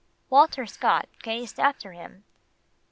Walter Scott gazed after him.